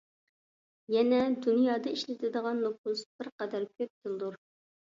يەنە دۇنيادا ئىشلىتىدىغان نوپۇس بىرقەدەر كۆپ تىلدۇر.